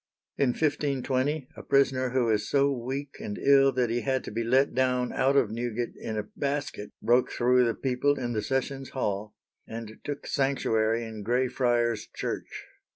In 1520 a prisoner who was so weak and ill that he had to be let down out of Newgate in a basket broke through the people in the Sessions Hall, and took sanctuary in Grey Friars Church.